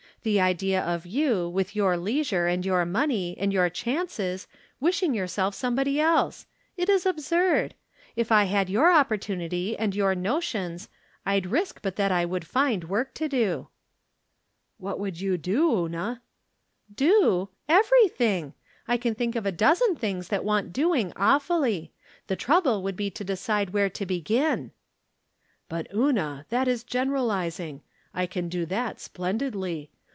The idea of you, with your lei sure, and your money, and your chances, wishing yourself somebody else ! It is absurd. If I had your opportunity and your notions I'd risk but that I would find work to do." " What would you do, Una ?"" Do ! Everything. I can think of a dozen things that want doing awfully. The trouble would be to decide where to begin." " But, Una, that is generahzing. I can do that splendidly.